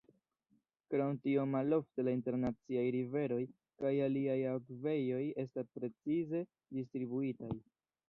Krom tio malofte la internaciaj riveroj kaj aliaj akvejoj estas precize distribuitaj.